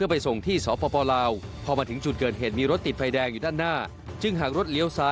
อันนี้จะว่ามันก็ไม่ได้ทราบสาเหตุแน่นะ